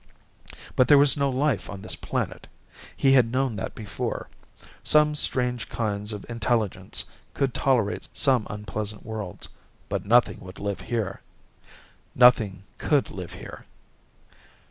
But there was no life on this planet. He had known that before. Some strange kinds of intelligence could tolerate some unpleasant worlds. But nothing would live here. Nothing could live here.